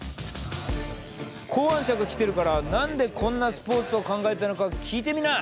考案者が来てるから何でこんなスポーツを考えたのか聞いてみな！